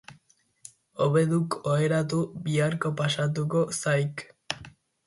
Hobe duk oheratu, biharko pasatuko zaik.